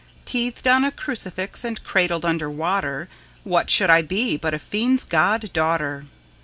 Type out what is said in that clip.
Teethed on a crucifix and cradled under water, What should I be but a fiend's god daughter?